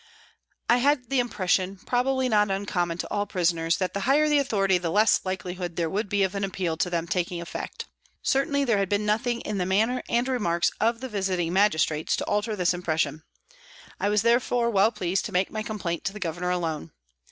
I had the impression, probably not uncommon to all prisoners, that the higher the authority the less likelihood would there be of an appeal to them taking effect. Certainly there had been nothing in the manner and remarks of the Visiting Magistrates to alter this impression. I was therefore well pleased to make my complaint to the Governor alone.